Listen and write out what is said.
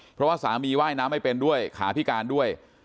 เพราะว่าสามีว่ายน้ำไม่เป็นด้วยขาพิการด้วย